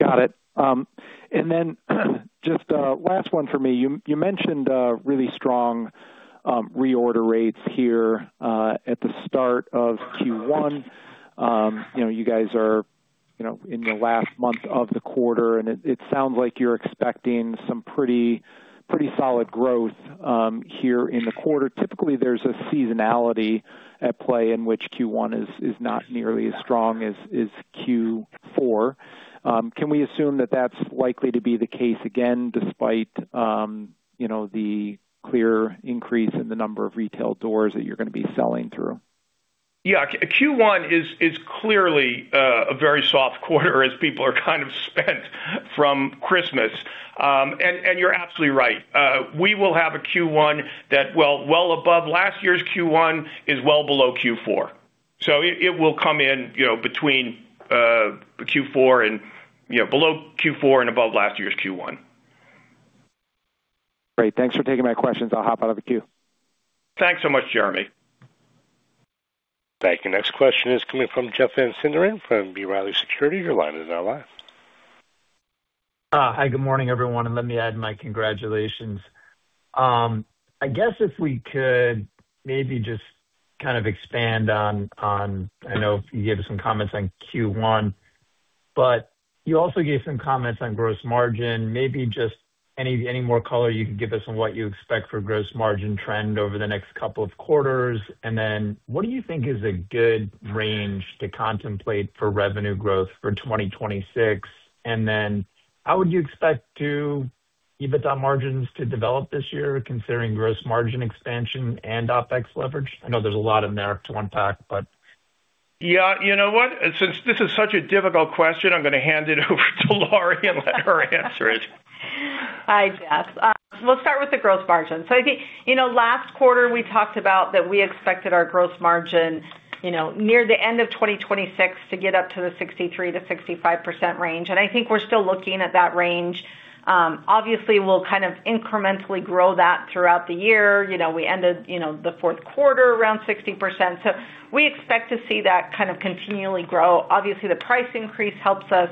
Got it. And then, just, last one for me. You mentioned really strong reorder rates here at the start of Q1. You know, you guys are, you know, in the last month of the quarter, and it sounds like you're expecting some pretty, pretty solid growth here in the quarter. Typically, there's a seasonality at play in which Q1 is not nearly as strong as Q4. Can we assume that that's likely to be the case again, despite, you know, the clear increase in the number of retail doors that you're gonna be selling through? Yeah. Q1 is clearly a very soft quarter as people are kind of spent from Christmas. And you're absolutely right. We will have a Q1 that, well above last year's Q1, is well below Q4. So it will come in, you know, between Q4 and, you know, below Q4 and above last year's Q1. Great. Thanks for taking my questions. I'll hop out of the queue. Thanks so much, Jeremy. Thank you. Next question is coming from Jeff Van Sinderen from B. Riley Securities. Your line is now live. Hi, good morning, everyone, and let me add my congratulations. I guess if we could maybe just kind of expand on, I know you gave us some comments on Q1, but you also gave some comments on gross margin. Maybe just any more color you can give us on what you expect for gross margin trend over the next couple of quarters. And then what do you think is a good range to contemplate for revenue growth for 2026? And then how would you expect the EBITDA margins to develop this year, considering gross margin expansion and OpEx leverage? I know there's a lot in there to unpack, but. Yeah, you know what? Since this is such a difficult question, I'm gonna hand it over to Lori and let her answer it. Hi, Jeff. We'll start with the gross margin. So I think, you know, last quarter, we talked about that we expected our gross margin, you know, near the end of 2026 to get up to the 63%-65% range, and I think we're still looking at that range. Obviously, we'll kind of incrementally grow that throughout the year. You know, we ended, you know, the Q4 around 60%, so we expect to see that kind of continually grow. Obviously, the price increase helps us,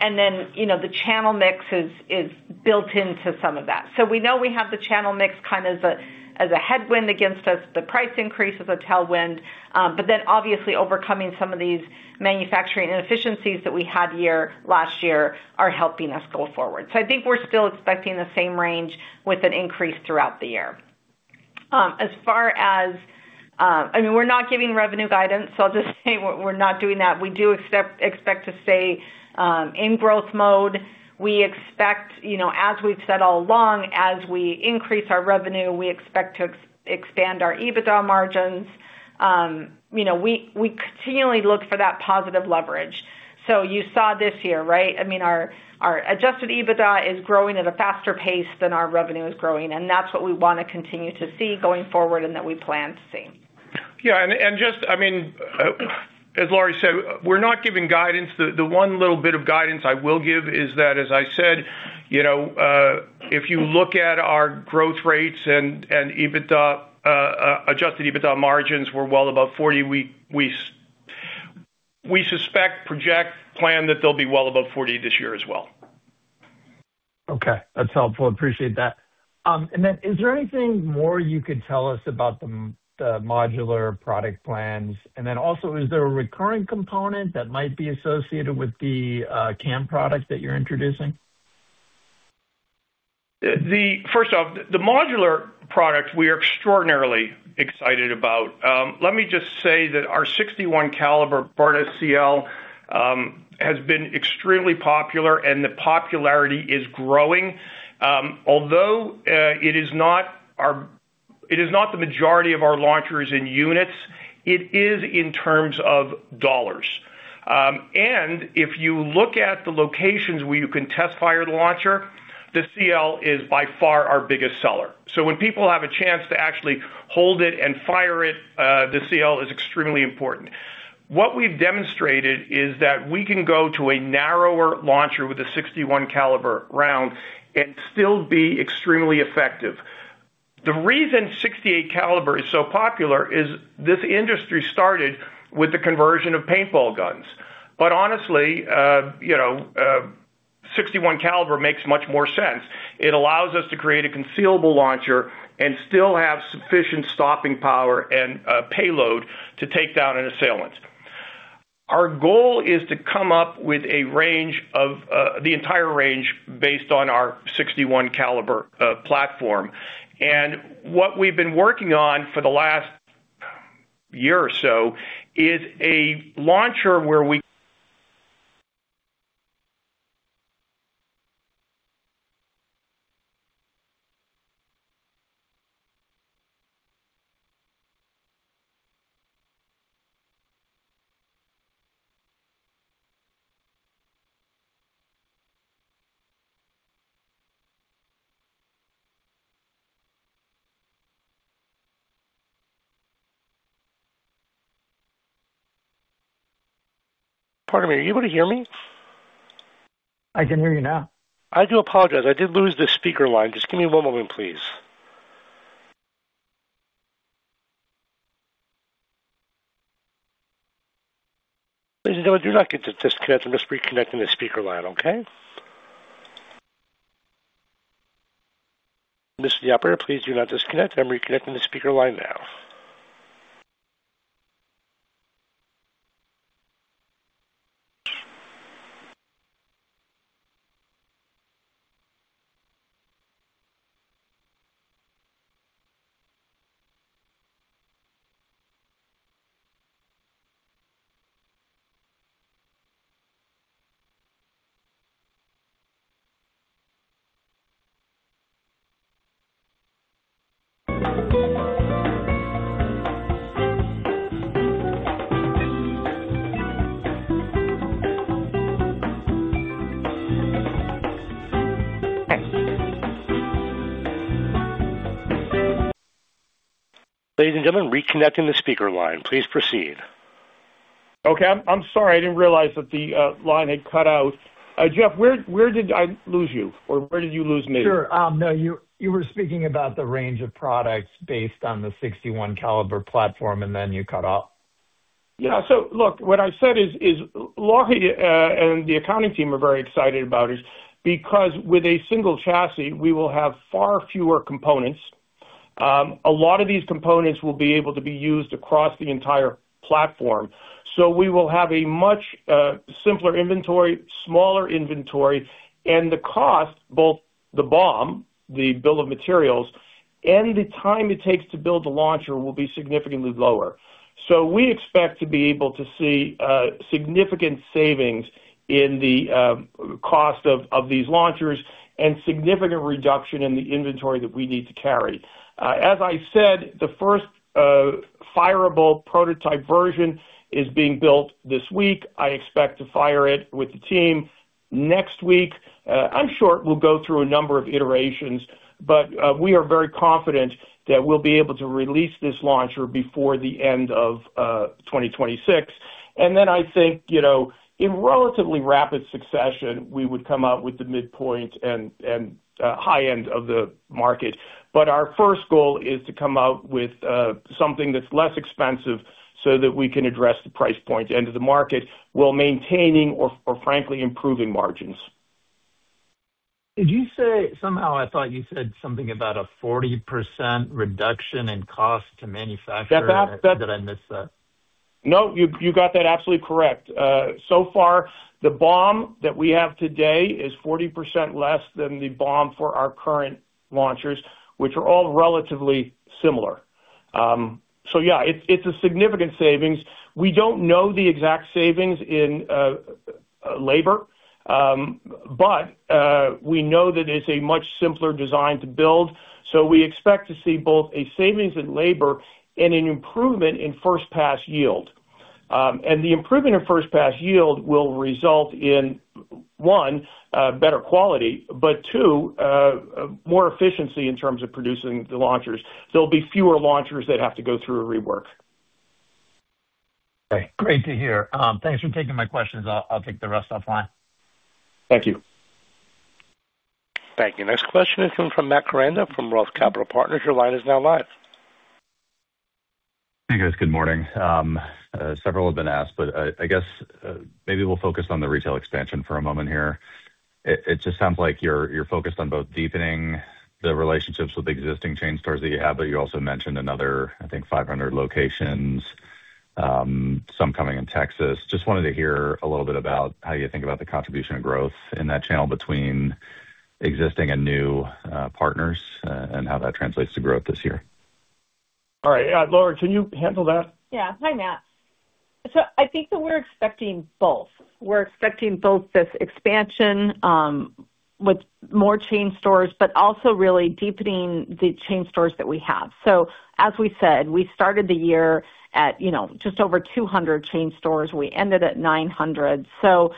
and then, you know, the channel mix is, is built into some of that. So we know we have the channel mix kind of as a, as a headwind against us, the price increase as a tailwind, but then obviously overcoming some of these manufacturing inefficiencies that we had here last year are helping us go forward. So I think we're still expecting the same range with an increase throughout the year. As far as, I mean, we're not giving revenue guidance, so I'll just say we're, we're not doing that. We do expect to stay in growth mode. We expect, you know, as we've said all along, as we increase our revenue, we expect to expand our EBITDA margins. You know, we, we continually look for that positive leverage. So you saw this year, right? I mean, our, our adjusted EBITDA is growing at a faster pace than our revenue is growing, and that's what we wanna continue to see going forward and that we plan to see. Yeah, and just, I mean, as Lori said, we're not giving guidance. The one little bit of guidance I will give is that, as I said, you know, if you look at our growth rates and EBITDA, adjusted EBITDA margins, we're well above 40. We suspect, project, plan that they'll be well above 40 this year as well. Okay, that's helpful. Appreciate that. And then is there anything more you could tell us about the modular product plans? And then also, is there a recurring component that might be associated with the CAM product that you're introducing? First off, the modular product, we are extraordinarily excited about. Let me just say that our .61 caliber Byrna CL has been extremely popular, and the popularity is growing. Although it is not the majority of our launchers in units, it is in terms of dollars. And if you look at the locations where you can test-fire the launcher, the CL is by far our biggest seller. So when people have a chance to actually hold it and fire it, the CL is extremely important. What we've demonstrated is that we can go to a narrower launcher with a .61 caliber round and still be extremely effective. The reason .68 caliber is so popular is this industry started with the conversion of paintball guns. But honestly, you know, .61 caliber makes much more sense. It allows us to create a concealable launcher and still have sufficient stopping power and payload to take down an assailant. Our goal is to come up with a range of the entire range based on our .61 caliber platform. And what we've been working on for the last year or so is a launcher where we- Pardon me. Are you able to hear me? I can hear you now. I do apologize. I did lose the speaker line. Just give me one moment, please. Ladies and gentlemen, do not get disconnected. I'm just reconnecting the speaker line, okay? This is the operator. Please do not disconnect. I'm reconnecting the speaker line now. Ladies and gentlemen, reconnecting the speaker line. Please proceed. Okay, I'm sorry. I didn't realize that the line had cut out. Jeff, where did I lose you or where did you lose me? Sure. No, you were speaking about the range of products based on the .61 caliber platform, and then you cut off.... Yeah. So look, what I said is, is Lori and the accounting team are very excited about it, because with a single chassis, we will have far fewer components. A lot of these components will be able to be used across the entire platform. So we will have a much simpler inventory, smaller inventory, and the cost, both the BOM, the bill of materials, and the time it takes to build the launcher will be significantly lower. So we expect to be able to see significant savings in the cost of these launchers and significant reduction in the inventory that we need to carry. As I said, the first fireable prototype version is being built this week. I expect to fire it with the team next week. I'm sure we'll go through a number of iterations, but we are very confident that we'll be able to release this launcher before the end of 2026. And then I think, you know, in relatively rapid succession, we would come out with the midpoint and high end of the market. But our first goal is to come out with something that's less expensive so that we can address the price point end of the market while maintaining or frankly, improving margins. Somehow I thought you said something about a 40% reduction in cost to manufacture. That, that- Did I miss that? No, you, you got that absolutely correct. So far, the BOM that we have today is 40% less than the BOM for our current launchers, which are all relatively similar. So yeah, it's, it's a significant savings. We don't know the exact savings in labor, but we know that it's a much simpler design to build, so we expect to see both a savings in labor and an improvement in first pass yield. And the improvement in first pass yield will result in, one, better quality, but two, more efficiency in terms of producing the launchers. There'll be fewer launchers that have to go through a rework. Great to hear. Thanks for taking my questions. I'll take the rest offline. Thank you. Thank you. Next question is coming from Matt Koranda, from Roth Capital Partners. Your line is now live. Hey, guys. Good morning. Several have been asked, but I guess maybe we'll focus on the retail expansion for a moment here. It just sounds like you're focused on both deepening the relationships with existing chain stores that you have, but you also mentioned another, I think, 500 locations, some coming in Texas. Just wanted to hear a little bit about how you think about the contribution of growth in that channel between existing and new partners, and how that translates to growth this year. All right. Lori, can you handle that? Yeah. Hi, Matt. So I think that we're expecting both. We're expecting both this expansion with more chain stores, but also really deepening the chain stores that we have. So as we said, we started the year at, you know, just over 200 chain stores. We ended at 900, so halfway, you know,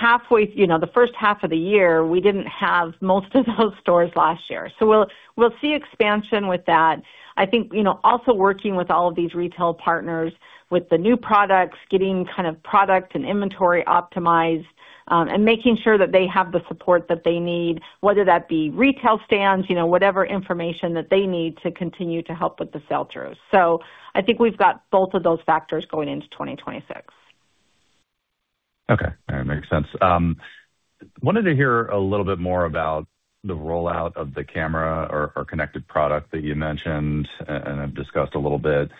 the first half of the year, we didn't have most of those stores last year. So we'll, we'll see expansion with that. I think, you know, also working with all of these retail partners, with the new products, getting kind of product and inventory optimized, and making sure that they have the support that they need, whether that be retail stands, you know, whatever information that they need to continue to help with the sell-throughs. So I think we've got both of those factors going into 2026. Okay, that makes sense. Wanted to hear a little bit more about the rollout of the camera or connected product that you mentioned and have discussed a little bit.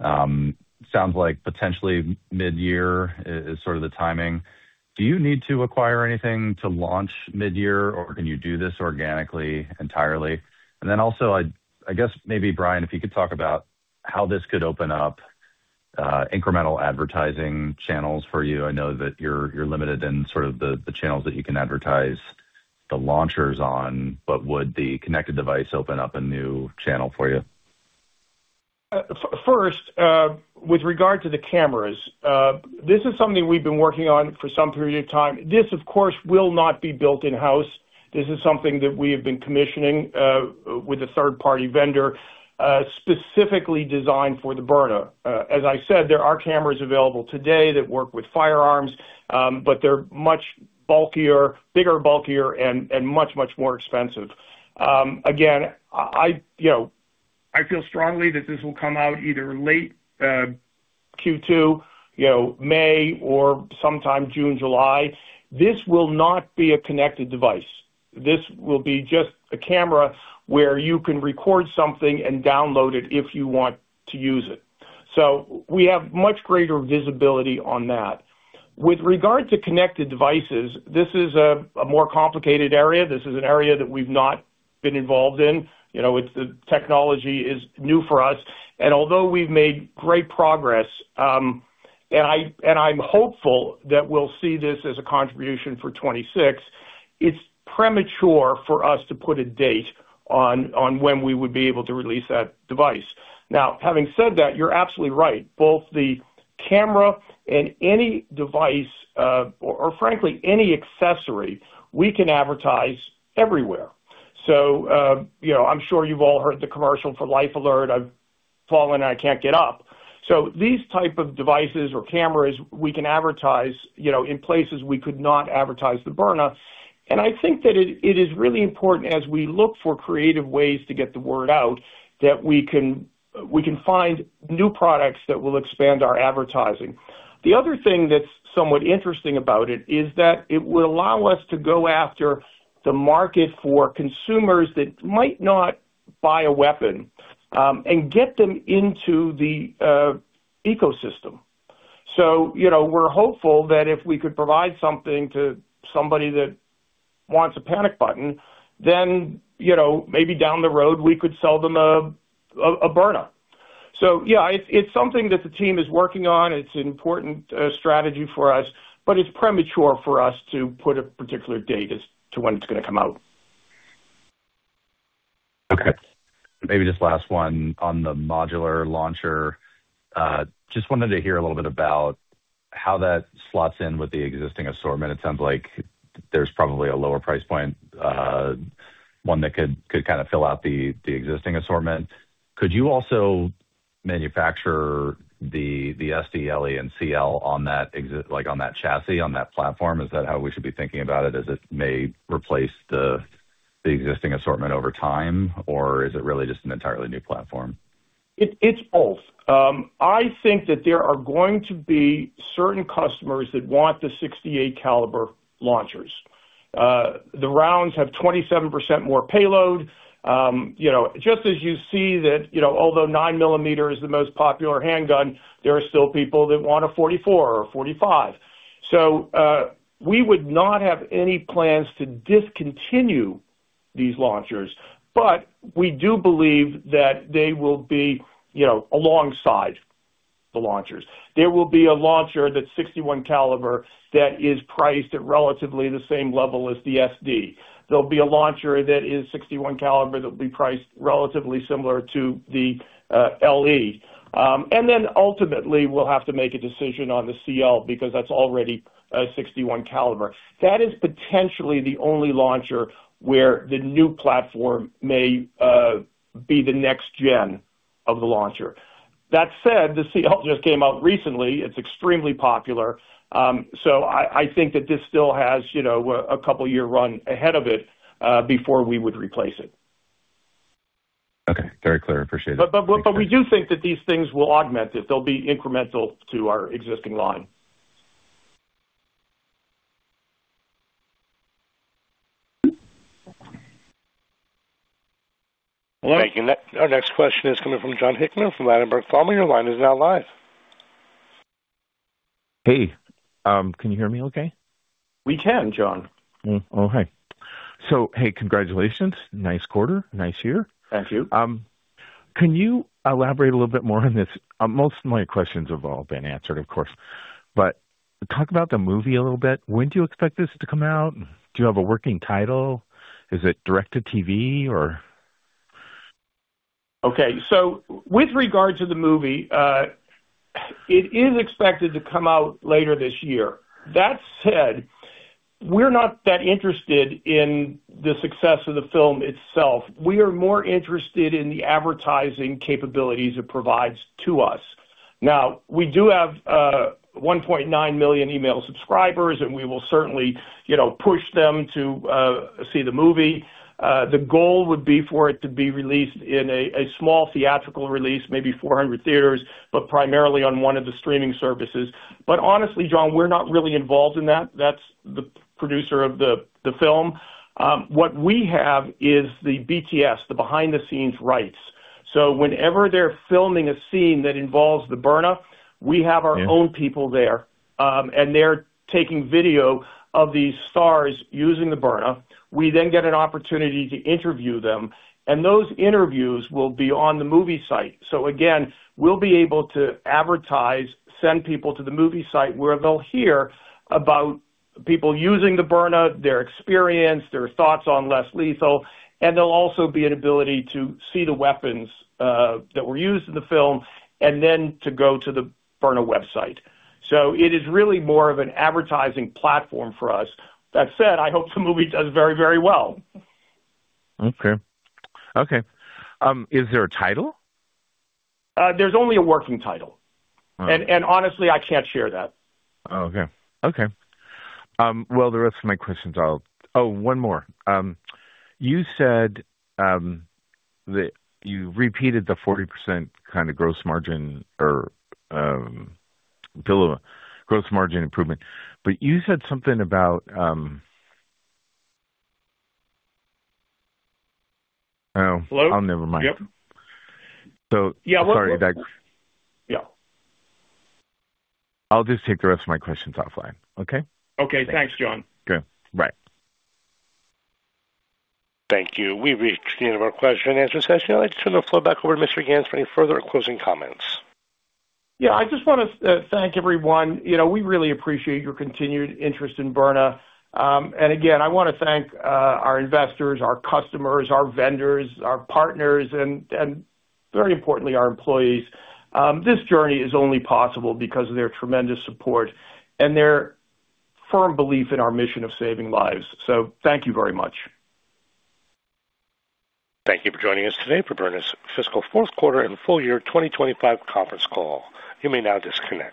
Sounds like potentially mid-year is sort of the timing. Do you need to acquire anything to launch mid-year, or can you do this organically, entirely? And then also, I guess maybe, Bryan, if you could talk about how this could open up incremental advertising channels for you. I know that you're limited in sort of the channels that you can advertise the launchers on, but would the connected device open up a new channel for you? First, with regard to the cameras, this is something we've been working on for some period of time. This, of course, will not be built in-house. This is something that we have been commissioning with a third-party vendor specifically designed for the Byrna. As I said, there are cameras available today that work with firearms, but they're much bulkier, bigger, bulkier, and, and much more expensive. Again, I, you know, I feel strongly that this will come out either late Q2, you know, May or sometime June, July. This will not be a connected device. This will be just a camera where you can record something and download it if you want to use it. So we have much greater visibility on that. With regard to connected devices, this is a more complicated area. This is an area that we've not been involved in. You know, it's technology is new for us, and although we've made great progress, and I'm hopeful that we'll see this as a contribution for 2026, it's premature for us to put a date on when we would be able to release that device. Now, having said that, you're absolutely right. Both the camera and any device, or frankly, any accessory, we can advertise everywhere. So, you know, I'm sure you've all heard the commercial for Life Alert, "I've fallen, and I can't get up." So these type of devices or cameras we can advertise, you know, in places we could not advertise the Byrna, and I think that it is really important as we look for creative ways to get the word out, that we can-... We can find new products that will expand our advertising. The other thing that's somewhat interesting about it is that it will allow us to go after the market for consumers that might not buy a weapon, and get them into the ecosystem. So, you know, we're hopeful that if we could provide something to somebody that wants a panic button, then, you know, maybe down the road, we could sell them a Byrna. So yeah, it's something that the team is working on. It's an important strategy for us, but it's premature for us to put a particular date as to when it's gonna come out. Okay. Maybe just last one on the modular launcher. Just wanted to hear a little bit about how that slots in with the existing assortment. It sounds like there's probably a lower price point, one that could kind of fill out the existing assortment. Could you also manufacture the SD, LE, and CL on that chassis, on that platform? Is that how we should be thinking about it, as it may replace the existing assortment over time, or is it really just an entirely new platform? It's both. I think that there are going to be certain customers that want the .68 caliber launchers. The rounds have 27% more payload. You know, just as you see that, you know, although 9-millimeter is the most popular handgun, there are still people that want a 44 or a 45. So, we would not have any plans to discontinue these launchers, but we do believe that they will be, you know, alongside the launchers. There will be a launcher that's .61 caliber that is priced at relatively the same level as the SD. There'll be a launcher that is .61 caliber that will be priced relatively similar to the, LE. And then ultimately, we'll have to make a decision on the CL, because that's already a .61 caliber. That is potentially the only launcher where the new platform may be the next gen of the launcher. That said, the CL just came out recently. It's extremely popular. So I think that this still has, you know, a couple year run ahead of it before we would replace it. Okay. Very clear. Appreciate it. But we do think that these things will augment it. They'll be incremental to our existing line. Thank you. Our next question is coming from John Hickman from Ladenburg Thalmann. Your line is now live. Hey, can you hear me okay? We can, John. Oh, hi. Hey, congratulations. Nice quarter, nice year. Thank you. Can you elaborate a little bit more on this? Most of my questions have all been answered, of course, but talk about the movie a little bit. When do you expect this to come out? Do you have a working title? Is it direct to TV or? Okay, so with regards to the movie, it is expected to come out later this year. That said, we're not that interested in the success of the film itself. We are more interested in the advertising capabilities it provides to us. Now, we do have 1.9 million email subscribers, and we will certainly, you know, push them to see the movie. The goal would be for it to be released in a small theatrical release, maybe 400 theaters, but primarily on one of the streaming services. But honestly, John, we're not really involved in that. That's the producer of the film. What we have is the BTS, the behind the scenes rights. So whenever they're filming a scene that involves the Byrna, we have our own people there, and they're taking video of these stars using the Byrna. We then get an opportunity to interview them, and those interviews will be on the movie site. So again, we'll be able to advertise, send people to the movie site, where they'll hear about people using the Byrna, their experience, their thoughts on less lethal, and there'll also be an ability to see the weapons that were used in the film, and then to go to the Byrna website. So it is really more of an advertising platform for us. That said, I hope the movie does very, very well. Okay. Okay, is there a title? There's only a working title. All right. Honestly, I can't share that. Oh, okay. Okay. Well, the rest of my questions I'll— Oh, one more. You said that you repeated the 40% kind of gross margin or bill of— gross margin improvement, but you said something about... Oh- Hello? Oh, never mind. Yep. So- Yeah. Sorry. That's- Yeah. I'll just take the rest of my questions offline, okay? Okay. Thanks, John. Okay, bye. Thank you. We've reached the end of our question-and-answer session. I'd like to turn the floor back over to Mr. Ganz for any further closing comments. Yeah, I just want to thank everyone. You know, we really appreciate your continued interest in Byrna. And again, I want to thank our investors, our customers, our vendors, our partners, and very importantly, our employees. This journey is only possible because of their tremendous support and their firm belief in our mission of saving lives. So thank you very much. Thank you for joining us today for Byrna's fiscal Q4 and full year 2025 conference call. You may now disconnect.